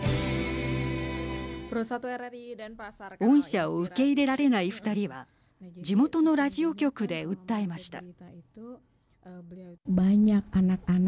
恩赦を受け入れられない２人は地元のラジオ局で訴えました。